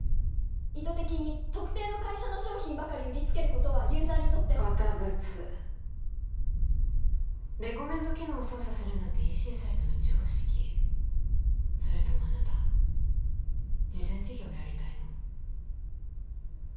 意図的に特定の会社の商品ばかり売りつけることはユーザーにとって堅物レコメンド機能を操作するなんてＥＣサイトの常識それともあなた慈善事業をやりたいの？